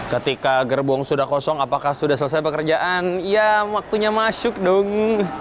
ketika gerbong sudah kosong apakah sudah selesai pekerjaan ya waktunya masuk dong